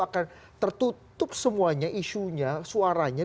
akan tertutup semuanya isunya suaranya